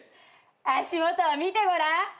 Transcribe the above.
足元を見てごらん。